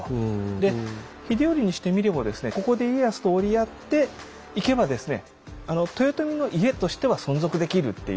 で秀頼にしてみてもここで家康と折り合っていけば豊臣の家としては存続できるっていう。